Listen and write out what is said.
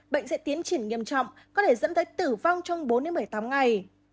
bệnh sẽ tiến triển nghiêm trọng có thể dẫn tới tử vong trong bốn một mươi tám ngày